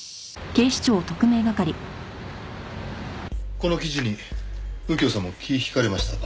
この記事に右京さんも気ぃ引かれましたか。